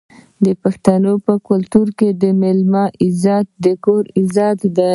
د پښتنو په کلتور کې د میلمه عزت د کور عزت دی.